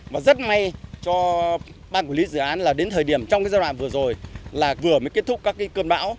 và rất may cho ban quản lý dự án là đến thời điểm trong giai đoạn vừa rồi là vừa mới kết thúc các cơn bão